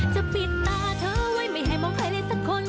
จะปิดหน้าเธอไว้ไม่ให้มองใครเลยสักคน